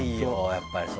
やっぱりそれは。